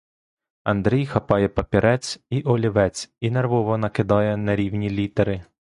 Андрій хапає папірець і олівець і нервово накидає нерівні літери.